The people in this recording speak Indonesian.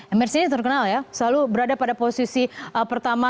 emers ini terkenal ya selalu berada pada posisi pertama